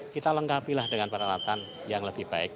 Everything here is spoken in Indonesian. kita lengkapilah dengan peralatan yang lebih baik